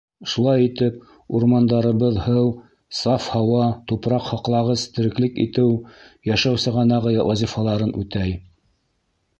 Шулай итеп, урмандарыбыҙ һыу, саф һауа, тупраҡ һаҡлағыс, тереклек итеү, йәшәү сығанағы вазифаларын үтәй.